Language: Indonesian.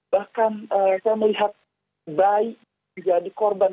bahkan saya melihat bayi jadi korban